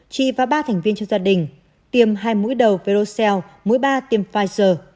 chị và ba thành viên trong gia đình tiêm hai mũi đầu verocell mũi ba tiêm pfizer